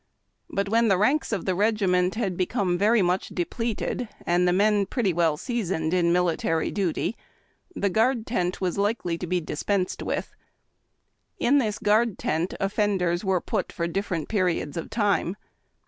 But when the ranks of the regiment had become very much depleted, and the men pretty well seasoned in military duty, the guard tent was likely to be dispensed with. In this guard tent offenders were put for different periods of time.